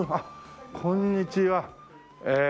こんにちは。